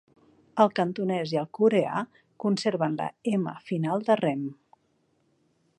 El cantonès i el coreà conserven la "m" final de "remm".